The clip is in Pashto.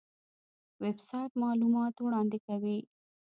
ویب سایټ معلومات وړاندې کوي